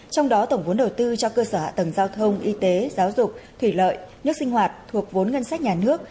trong đó tổng vốn đầu tư cho cơ sở hạ tầng giao thông y tế giáo dục thủy lợi nước sinh hoạt thuộc vốn ngân sách nhà nước